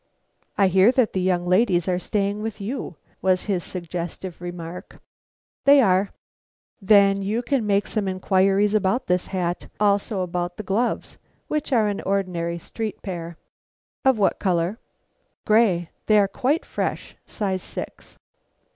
"I hear that the young ladies are staying with you," was his suggestive remark. "They are." "Then you can make some inquiries about this hat; also about the gloves, which are an ordinary street pair." "Of what color?" "Grey; they are quite fresh, size six."